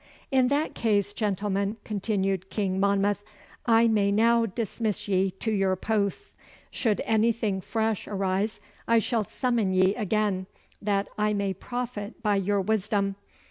'In that case, gentlemen,' continued King Monmouth, 'I may now dismiss ye to your posts. Should anything fresh arise I shall summon ye again, that I may profit by your wisdom.